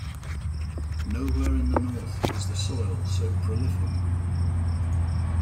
Nowhere in the North is the soil so prolific.